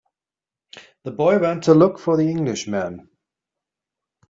The boy went to look for the Englishman.